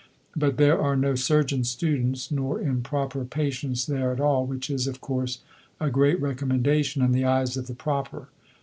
But there are no surgeon students nor improper patients there at all, which is, of course, a great recommendation in the eyes of the Proper.